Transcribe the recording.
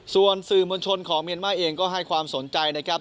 ส่วนสื่อมวลชนของเมียนมาร์เองก็ให้ความสนใจนะครับ